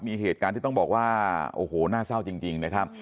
มีเหตุการณ์ที่ต้องบอกว่าโอ้โหน่าเศร้าจริงนะครับ